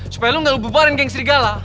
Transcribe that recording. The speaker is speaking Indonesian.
supaya lo gak lubu bareng geng serigala